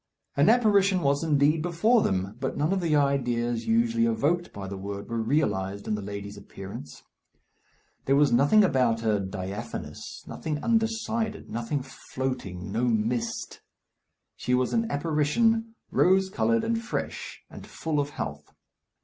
An apparition was indeed before them; but none of the ideas usually evoked by the word were realized in the lady's appearance. There was nothing about her diaphanous, nothing undecided, nothing floating, no mist. She was an apparition; rose coloured and fresh, and full of health.